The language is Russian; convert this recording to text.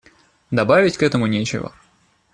Добавить к этому нечего.